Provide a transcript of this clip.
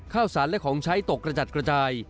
ข้าวสารและของใช้ตกกระจัดกระจาย